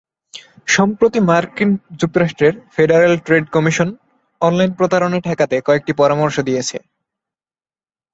সম্প্রতি মার্কিন যুক্তরাষ্ট্রের ফেডারেল ট্রেড কমিশন অনলাইন প্রতারণা ঠেকাতে কয়েকটি পরামর্শ দিয়েছে।